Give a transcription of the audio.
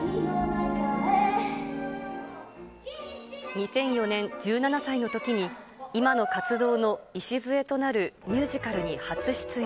２００４年、１７歳のときに今の活動の礎となるミュージカルに初出演。